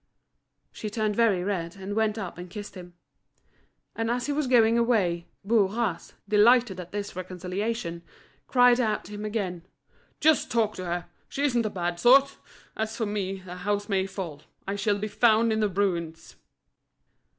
She turned very red, and went up and kissed him. And as he was going away, Bourras, delighted at this reconciliation, cried out to him again: "Just talk to her, she isn't a bad sort As for me, the house may fall, I shall be found in the ruins."